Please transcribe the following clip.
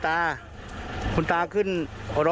ศพที่สอง